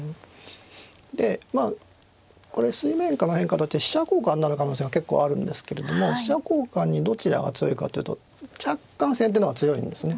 でまあこれ水面下の変化だと飛車交換になる可能性が結構あるんですけれども飛車交換にどちらが強いかというと若干先手の方が強いんですね。